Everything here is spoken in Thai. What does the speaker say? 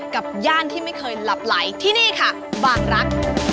กับย่านที่ไม่เคยหลับไหลที่นี่ค่ะบางรัก